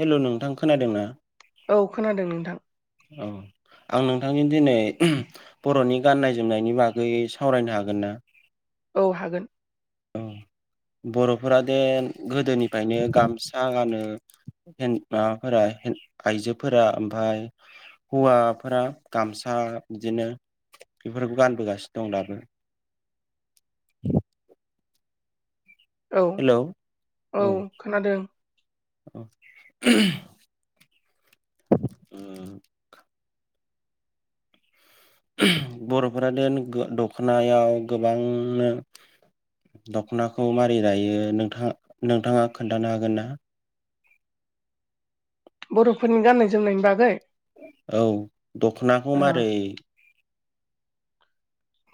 Hello नोंथां खोनादों ना? औ खोनादों नोंथां। औ आं नोंथांजों दिनै बर'नि गाननाय जोमनायनि बागै सावरायनो हागोन ना? औ हागोन औ बर'फोरा दे गोदोनिफ्रायनो गामसा गानो [unintelligible] माबाफोरा [unintelligible] आइजोफोरा ओमफाय हौवाफोरा गामसा बिदिनो बेफोरखौ गानबोगासिनो दं दाबो [unintelligible] औ औ हेलौ खोनादों औ औ [unintelligible] बर'फोरा देन दखनायाव गोबांनो दख'नाखौ मारै दायो नोंथां नोंथाङा खोन्थानो हागोन ना? बर'फोरनि गान्नाय जोमनायनि बागै औ दख'नाखौ ओ मारै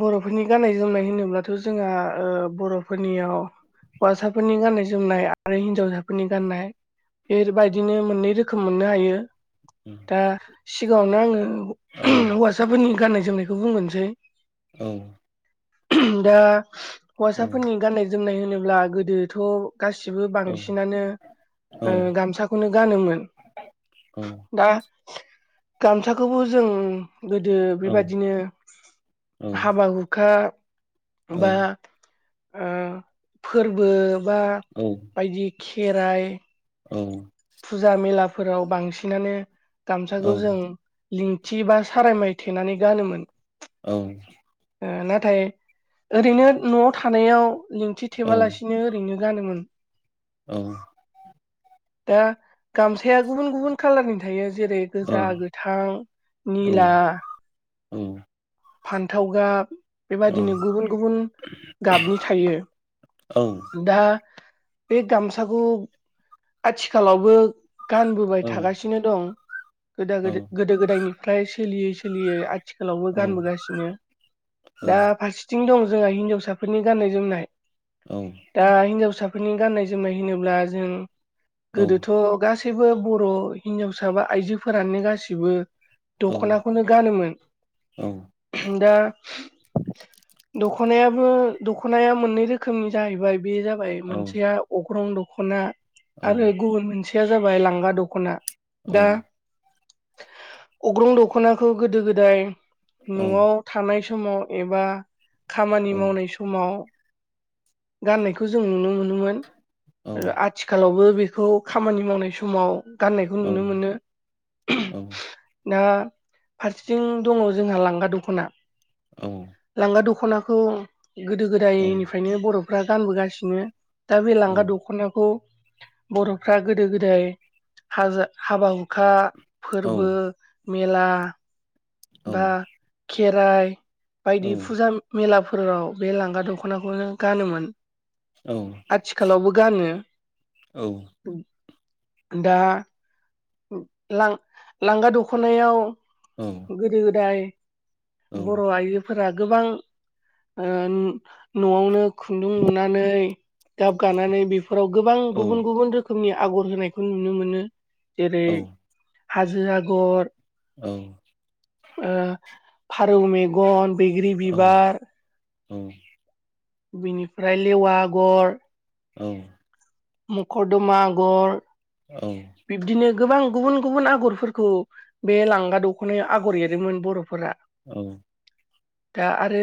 बर'फोरनि गाननाय-जोमनाय होनोब्लाथ' जोंहा बर'फोरनियाव हौवासाफोरनि गाननाय-जोमनाय आरो हिनजावसाफोरनि गाननाय बेबायदिनो मोननै रोखोम मोननो हायो दा सिगाङावनो आङो औ हौवासाफोरनि गाननाय जोमनायखौ बुंग्रोनोसै औ दा हौवासाफोरनि गाननाय जोमनाय होनोब्ला गोदोथ' गासिबो औ बांसिनानो औ गामसाखौनो गानोमोन औ दा गामसाखौबो जों गोदो बेबादिनो हाबा-हुखा बा फोरबो बा बायदि खेराइ औ फोराव बांसिनानो गामसाखौ जों लिंथि बा सारायमाइ थेबनानै गानोमोन औ नाथाय ओरैनो न'आव थानायाव लिंथि थेबालासिनो ओरैनो गानोमोन औ दा गामसाया गुबुन गुबुन खालारनि थायो जेरै गोजा, गोथां, निला औ फान्थाव गाब बेबादिनो गुबुन गुबुन गाबनि थायो दा बे गामसाखौ आथिखालावबो गानबोबाय थागासिनो दं गो गोदो औ गोदो गोदायनिफ्राय सोलियै सोलियै आथिखालावबो गानबोगासिनो दा फारसेथिं दं जोंहा हिनजावसाफोरनि गाननाय-जोमनाय दा हिनजावसाफोरनि गाननाय जोमनाय होनोब्ला जों गोदोथ' गासै गासैबो बर' हिनजावसा बा आइजोफोरानो गासिबो दख'नाखौनो गानोमोन दा दख'नायाबो दख'नाया मोननै रोखोमनि जाहैबाय बे जाबाय मोनसेया अग्रं दख'ना आरो गुबुन मोनसे मोनसेया जाबाय लांगा दख'ना दा अग्रं दख'नाखौ गोदो गोदाय न'आव थानाय सम समाव एबा खामानि मावनाय समाव गाननायखौ जों नुनो मोनोमोन आरो आथिखालावबो बेखौ खामानि मावनाय समाव गाननायखौ नुनो मोनो दा फारसेथिं दङ जोंहा लांगा दख'ना लांगा दख दख'नाखौ गोदो गोदायनिफ्रायनो बर'फ्रा गानबोगासिनो दा बे लांगा दख'नाखौ बर'फ्रा गोदो गोदाय हाज हाबा हुखा फोरबो मेला बा खेराइ बायदि फुजा मेलाफोराव बे लांगा दख'नाखौनो गानोमोन आथिखालावबो गानो दा लां लांगा दख'नायाव गोदो गोदाय बर' आइजो फोरा गोबां न'आवनो खुन्दुं लुनानै गाब गानानै बे फोराव गोबां गुबुन गुबुन रोखोमनि आगर होनायखौ नुनो मोनो जेरै हाजो आगर औ ओ फारौ मेगन, बैग्रि बिबार, औ बिनिफ्राय लेवा आगर, औ मखर्दमा आगर, औ बिब्दिनो गोबां गुबुन-गुबुन आगरफोरखौ बे लांगा दख'नायाव आगर एरोमोन बर'फोरा औ दा आरो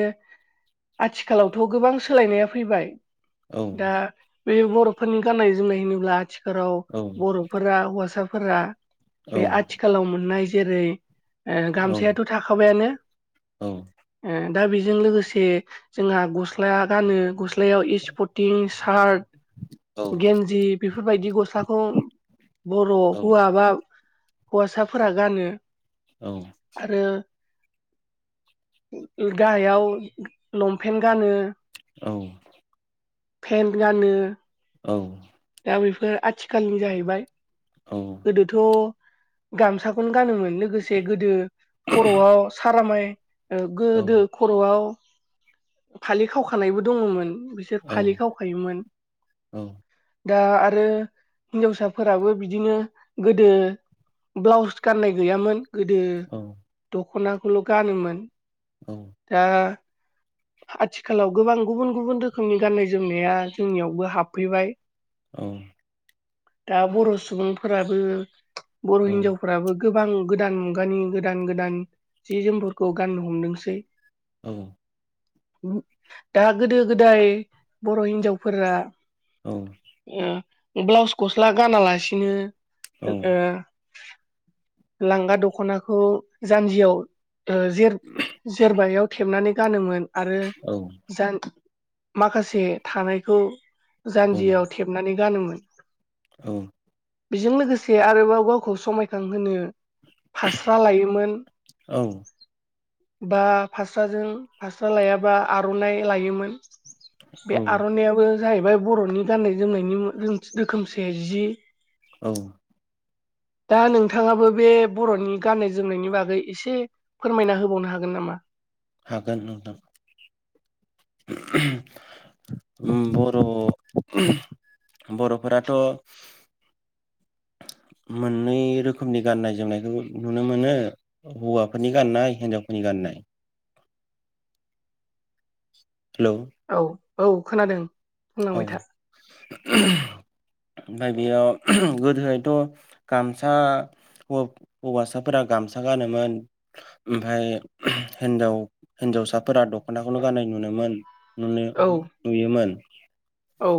आथिखालावथ' गोबां सोलायनाया फैबाय औ दा बे बर'फोरनि गान्नाय-जोमनाय होनोब्ला आथिखालाव बर'फोरा हौवासाफोरा बे आथिखालाव मोननाय जेरै- ओ गामसायाथ' थाखाबायानो ओ दा बेजों लोगोसे जोंहा गस्ला गानो ग स्लायाव इस्पर्टिं, सार्ट, गेन्जि बेफोरबायदि गस्लाखौ बर' हौवा बा हौवासाफोरा गानो। औ आरो गाहायाव लंपेन्ट गानो, औ पेन्ट गानो, औ दा बेफोर आथिखालनि जाहैबाय। गोदोथ' गामसाखौनो गानोमोन लोगोसे गोदो खर'आव सारामाय गोदो खर'आव फालि खावखानायबो दङमोन बिसोर फालि खावखायोमोन औ दा आरो हिनजावसाफोराबो बिदिनो गोदो ब्लाउस गाननाय गैयामोन गोदो दख'नाखौल' गानोमोन दा आथिखालाव गोबां गुबुन गुबुन रोखोमनि गाननाय- जोमनाया जोंनियावबो हाबफैबाय औ दा बर' सुबुंफोराबो बर' हिनजावफोराबो गोबां गोदान मुगानि गोदान गोदान जि जोमफोरखौ गाननो हमदोंसै औ दा गोदो गोदाय बर' हिनजावफोरा ओ ब्लाउस गस्ला गानालासिनो ओ [inaudible] लांगा दख'नाखौ जान्जियाव ओ जेर जेरबायाव थेबनानै गानोमोन आरो जान माखासे थानायखौ जानजियाव थेबनानै गानोमोन। औ बेजों लोगोसे आरोबाव गावखौ समायखांहोनो फास्रा लायोमोन, बा फास्राजों फा स्रा लायाबा आर'नाइ लायोमोन, बे आर'नाइयाबो जाहैबाय बर'नि गान्नाय जोमनायनि [inaudible] रोखोमसे जि औ दा नोंथाङाबो बे बर'नि गाननाय-जोमनायनि बागै एसे फोरमायना होबावनो हागोन नामा? हागोन नोंथां उम बर' बर'फोराथ' मोननै रोखोमनि गाननाय जोमनायखौ नुनो मोनो हौवाफोरनि गाननाय हिन्जावफोरनि गाननाय गाननाय हेलौ औ औ खोनादों औ बुंलांबाय था बेयाव गोदोहायथ' गामसा हौवासाफोरा गामसा गानोमोन ओमफ्राय हिन्जाव हिन्जावसाफोरा दख'नाखौल' गाननाय नुयोमोन नुनो औ नुयोमोन औ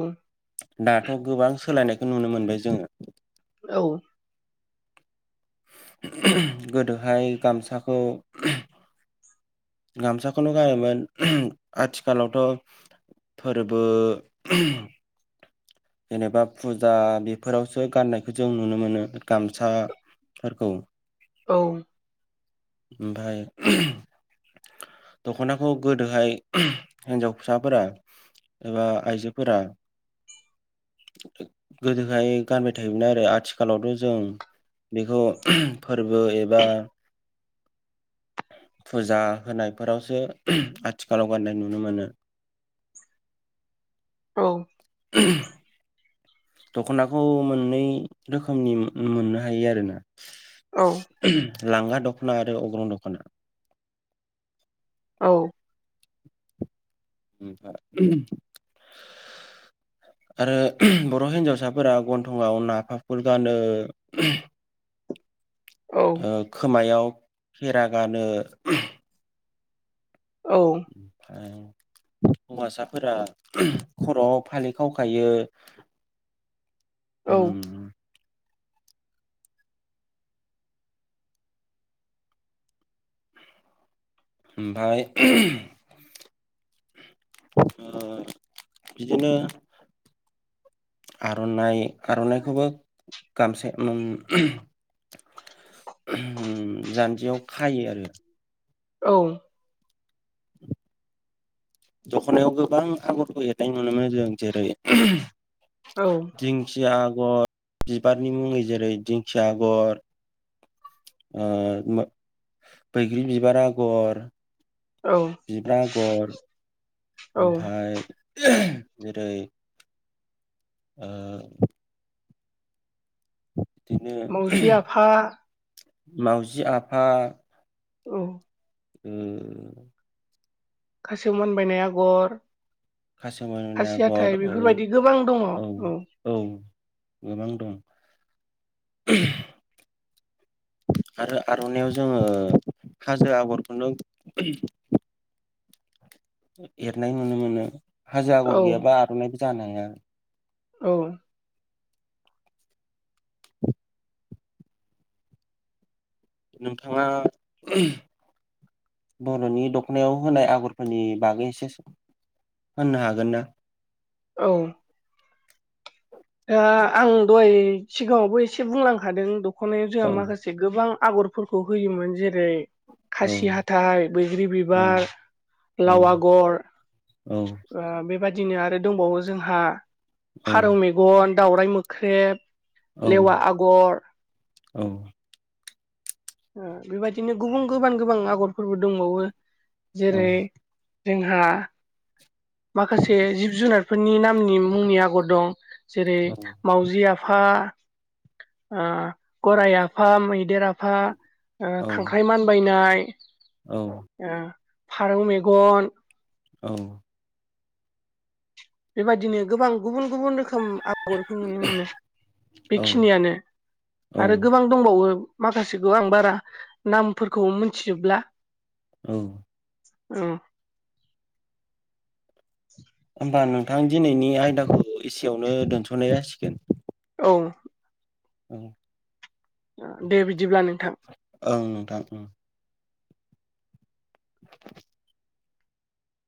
दाथ' गोबां सोलायनायखौ नुनो मोनबाय जोङो औ गोदोहाय गामसाखौ गामसाखौल' गानोमोन आथिखालावथ' फोरबो जेनेबा फुजा बेफोरावसो गाननायखौ जों नुनो मोनो गामसा फोरखौ औ ओमफ्राय दख'नाखौ गोदोहाय हिन्जाव फिसाफोरा एबा आइजोफोरा गोदोहाय गानबाय थायोमोन आरो आथिखालावथ' जों बेखौ फोरबो एबा फुजा होनायफोरावसो आथिखालाव गाननाय नुनो मोनो। औ [unintelligible] दख'नाखौ मोननै रोखोमनि मोननो हायो आरो ना औ लांगा दख'ना आरो अग्रं दख'ना औ ओमफाय ओम आरो बर' हिन्जावसाफोरा गन्थंआव नाफाखुल गानो ओ औ खोमायाव फेरा गानो औ ओं हौवासाफोरा खर'आव फालि खावखायो औ ओमफ्राय ओमफ्राय ओ बिदिनो आर'नाइ आर'नाइखौबो गामसे ओम जान्जियाव खायो आरो औ दखनायाव गोबां आगरखौ एरनाय नुनोमोनो जों जेरै औ दिंखिया गर बिबारनि मुङै जेरै दिंखिया आगर ओ बैग्रि बिबार आगर औ बिबा आगर औ ओमफ्राय जेरै ओ बिदिनो मावजि आफा मावजि आफा औ ओ खासेव मानबायनाय आगर कासेव मानबायनाय खासि आगर हाथाइ औ बेफोरबायदि गोबां दङ औ औ गोबां दं आरो आर'नायाव जोङो हाजो आगरखौनो एरनाय नुनो मोनो हाजो औ आगर गैयाबा आर'नाइबो जानो हाया औ नोंथाङा बर'नि दख'नायाव होनाय आगरफोरनि बागै एसे सम होननो हागोन ना? औ दा आं दहाय सिगाङावबो एसे बुंलांखादों दख'नायाव जोंहा औ माखासे गोबां आगरफोरखौ होयोमोन जेरै ओेरै औ खासि हाथाय बैग्रि औ बिबार औ लाव औ आगर बेबादिनो आरो दंबावो जोंहा औ दावराय मोख्रेब औ लेवा आगर औ बेबायदिनो गुबुन गोबां गोबां आगरफोरबो दंबावो औ जेरै जोंहा माखासे जिब जुनारफोरनि नामनि मुंनि आगर दं। जेरै मावजि आफा गराय आफा मैदेर आफा ओ खांख्राइ मानबायनाय औ ओ फारौ मेगन औ बेबायदिनो गोबां गुबुन गुबुन रोखोम आगरखौ नुनो मोनो औ बेखिनियानो। औ आरो गोबां दंबावो माखासेखौ आं बारा नामफोरखौ मोनथिजोबला औ औ होमबा नोंथां दिनैनि आयदाखौ एसेयावनो दोनथ'नाय जासिगोन। औ औ दे बिदिब्ला नोंथां ओं नोंथां [inaudible]